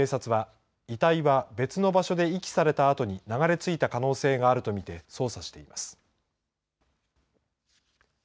このため警察は遺体は別の場所で遺棄されたあとに流れ着いた可能性があるとみて捜査しています。